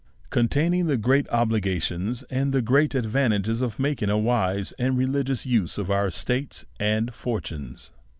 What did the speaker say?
Containing the great Obligatiofis, and the great Ad' vantages of making a wise and religious Use of our Estates and Fortunes.